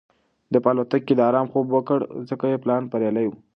ده په الوتکه کې د ارام خوب وکړ ځکه چې پلان یې بریالی و.